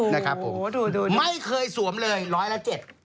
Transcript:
ไม่เคยสวมเลยร้อยละ๗